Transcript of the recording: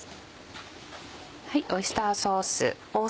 オイスターソース。